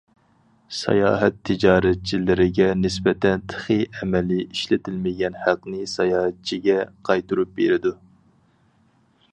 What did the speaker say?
ساياھەت تىجارەتچىلىرىگە نىسبەتەن تېخى ئەمەلىي ئىشلىتىلمىگەن ھەقنى ساياھەتچىگە قايتۇرۇپ بېرىدۇ.